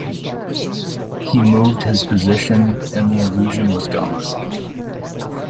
He moved his position, and the illusion was gone.